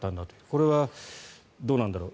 これはどうなんだろう